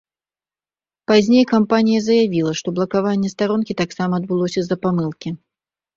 Пазней кампанія заявіла, што блакаванне старонкі таксама адбылося з-за памылкі.